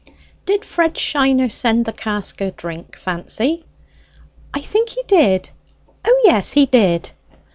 "Did Fred Shiner send the cask o' drink, Fancy?" "I think he did: O yes, he did."